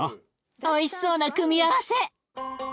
おいしそうな組み合わせ！